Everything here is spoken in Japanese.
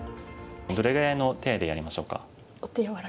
どれぐらいの手合でやりましょうか？